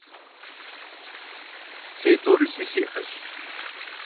Цей тӀорыси сиӀэщ…